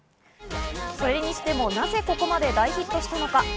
それにしても、なぜここまで大ヒットしたのか。